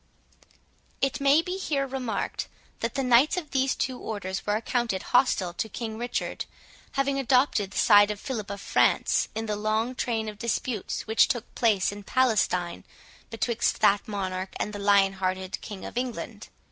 It may be here remarked, that the knights of these two orders were accounted hostile to King Richard, having adopted the side of Philip of France in the long train of disputes which took place in Palestine betwixt that monarch and the lion hearted King of England.